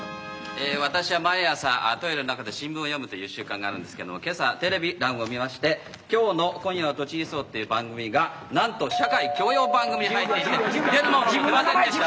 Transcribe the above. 私は毎朝トイレの中で新聞を読むという習慣があるんですけども今朝テレビ欄を見まして今日の「今夜はトチりそう！」っていう番組がなんと社会教養番組に入っていて出るものも出ませんでした。